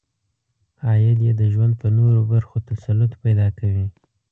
عاید یې د ژوند په نورو برخو تسلط پیدا کوي.